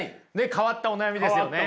変わったお悩みですね。